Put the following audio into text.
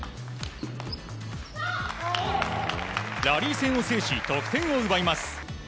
ラリー戦を制し得点を奪います。